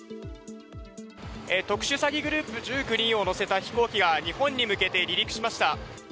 特殊詐欺グループ１９人を乗せた飛行機が、日本に向けて離陸しました。